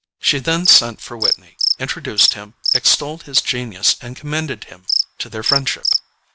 She then sent for Whitney, introduced him, extolled his genius and commended him to their friendship.